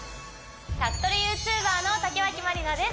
宅トレＹｏｕＴｕｂｅｒの竹脇まりなです